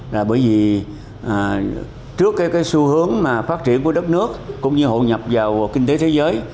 là bởi vì trước cái xu hướng phát triển của đất nước cũng như hội nhập vào kinh tế thế giới